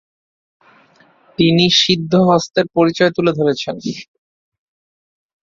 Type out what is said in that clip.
তিনি সিদ্ধহস্তের পরিচয় তুলে ধরেছেন।